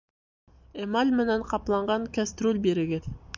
Эмаль менән ҡапланған кәстрүл бирегеҙ